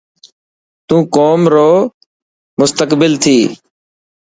تون قوم رو مستقبل ٿيي.